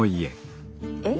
えっ？